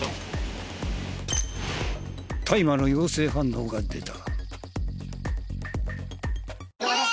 大麻の陽性反応が出た。